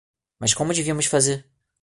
Mas como devíamos fazer?